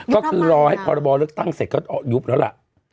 ก็คือรอให้พรบเลือกตั้งเสร็จก็ยุบแล้วล่ะ